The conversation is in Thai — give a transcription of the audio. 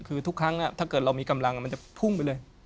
คือทุกครั้งถ้าเกิดเรามีกำลังมันจะพุ่งไปเลย